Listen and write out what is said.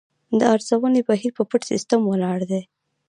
د ارزونې بهیر په پټ سیستم ولاړ دی.